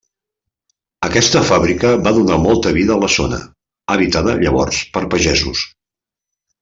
Aquesta fàbrica va donar molta vida a la zona, habitada llavors per pagesos.